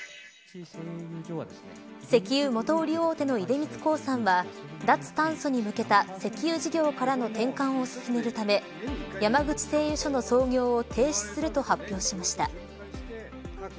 石油元売り大手の出光興産は脱炭素に向けた石油事業からの転換を進めるため山口製油所の操業を停止すると発表しました。